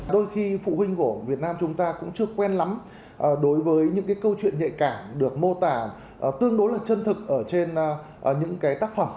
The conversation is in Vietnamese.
đôi khi phụ huynh của việt nam chúng ta cũng chưa quen lắm đối với những cái câu chuyện nhạy cảm được mô tả tương đối là chân thực ở trên những cái tác phẩm